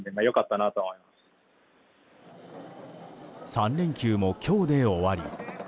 ３連休も今日で終わり。